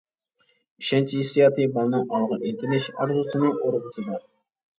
ئىشەنچ ھېسسىياتى بالىنىڭ ئالغا ئىنتىلىش ئارزۇسىنى ئۇرغۇتىدۇ.